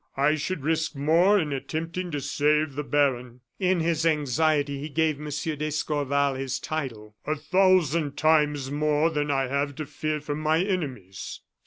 I should risk more in attempting to save the baron" in his anxiety he gave M. d'Escorval his title "a thousand times more than I have to fear from my enemies.